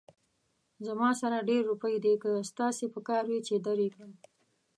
زما سره ډېرې روپۍ دي، که ستاسې پکار وي، چې در يې کړم